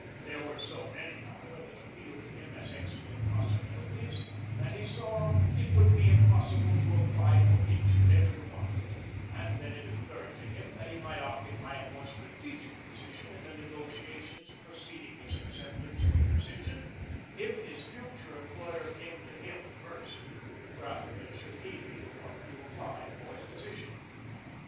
There were so many, however, that appealed to him as excellent possibilities that he saw it would be impossible to apply for each and every one; and then it occurred to him that he might occupy a more strategic position in the negotiations preceding his acceptance of a position if his future employer came to him first, rather than should he be the one to apply for the position.